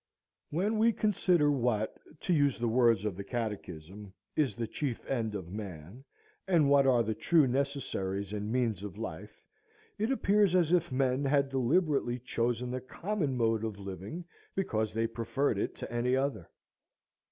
When we consider what, to use the words of the catechism, is the chief end of man, and what are the true necessaries and means of life, it appears as if men had deliberately chosen the common mode of living because they preferred it to any other.